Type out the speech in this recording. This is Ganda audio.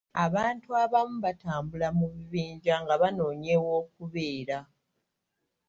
Abantu abamu batambula mu bibinja nga banoonya ew'okubeera.